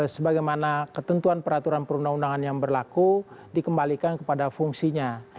sebagaimana ketentuan peraturan perundang undangan yang berlaku dikembalikan kepada fungsinya